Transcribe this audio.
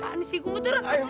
tahan sih gue betul betul